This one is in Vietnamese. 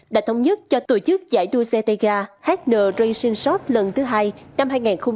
đã thống nhất cho tổ chức giải đua xe tay ga hn racion shop lần thứ hai năm hai nghìn hai mươi